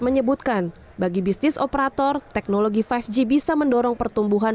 menyebutkan bagi bisnis operator teknologi lima g bisa mendorong pertumbuhan